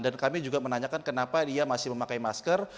dan kami juga menanyakan kenapa dia masih memakai masker